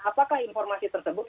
apakah informasi tersebut